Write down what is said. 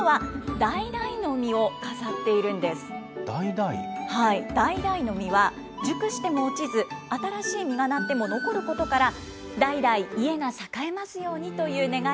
だいだいの実は熟しても落ちず、新しい実がなっても残ることから、代々家が栄えますようにとだいだい？